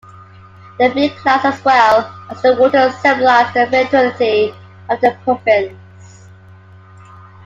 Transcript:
The big clouds as well as the water symbolize the fertility of the province.